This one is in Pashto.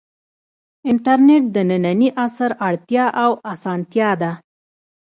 انټرنیټ د ننني عصر اړتیا او اسانتیا ده.